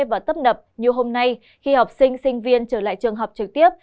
và tấp nập như hôm nay khi học sinh sinh viên trở lại trường học trực tiếp